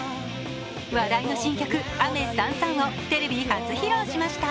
話題の新曲「雨燦々」をテレビ初披露しました。